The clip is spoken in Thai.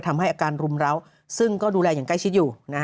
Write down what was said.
ทำให้อาการรุมร้าวซึ่งก็ดูแลอย่างใกล้ชิดอยู่